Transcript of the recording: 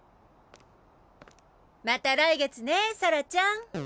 また来月ねサラちゃん。